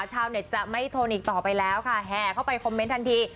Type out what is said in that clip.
ชาวเน็ตจะไม่ทนอีกต่อไปแล้วค่ะแห่เข้าไปคอมเมนต์ทันที